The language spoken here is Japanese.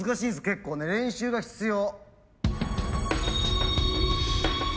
結構練習が必要。